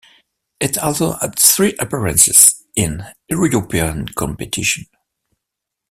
It also had three appearances in European competitions.